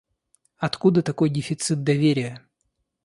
Откуда такой дефицит доверия?